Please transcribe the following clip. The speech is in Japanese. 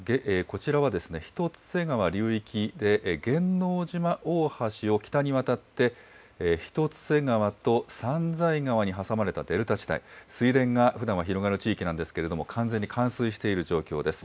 こちらは一ツ瀬川流域で、げんのうじま大橋を北に渡って、一ツ瀬川とさんざい川に挟まれたデルタ地帯、水田がふだんは広がる地域なんですけれども、完全に冠水している状況です。